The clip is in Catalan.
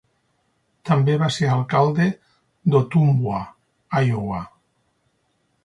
També va ser alcalde d'Ottumwa, Iowa.